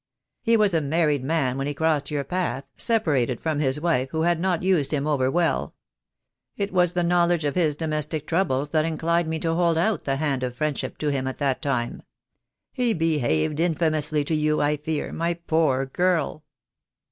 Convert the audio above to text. He was a married man when he crossed your path, separated from his wife, who had not used him over well. It was the knowledge of his domestic troubles that inclined me to hold out the hand of friendship to him at that time. He behaved in famously to you, I fear, my poor girl."